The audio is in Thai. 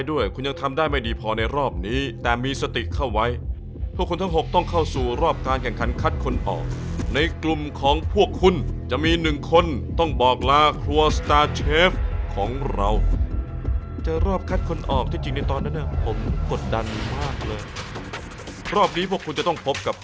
๑๐วินาทีนะทุกท่าน